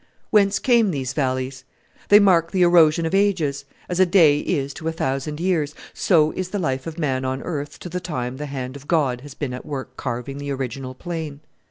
Whence came these valleys? They mark the erosion of ages: as a day is to a thousand years, so is the life of man on earth to the time the hand of God has been at work carving the original plain.